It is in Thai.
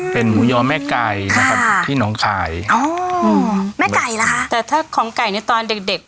เป็นหมูยอแม่ไก่นะครับที่น้องขายอ๋ออืมแม่ไก่ล่ะคะแต่ถ้าของไก่ในตอนเด็กเด็ก